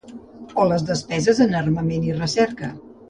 O les despeses en armament i recerca.